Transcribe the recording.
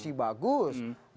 gajah bagus ya